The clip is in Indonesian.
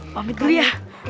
pak mitri ya